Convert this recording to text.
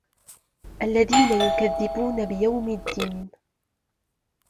الَّذينَ يُكَذِّبونَ بِيَومِ الدّينِ